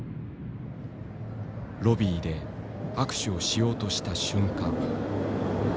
ロビーで握手をしようとした瞬間。